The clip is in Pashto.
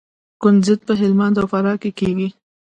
کنجد په هلمند او فراه کې کیږي.